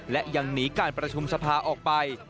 และยังหนีการประชุมสภาออกไป